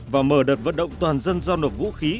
và mở đợt vận động toàn dân giao nộp vũ khí